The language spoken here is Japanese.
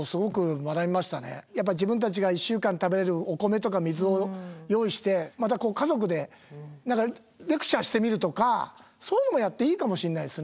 やっぱ自分たちが１週間食べれるお米とか水を用意してまた家族で何かレクチャーしてみるとかそういうのもやっていいかもしんないですね。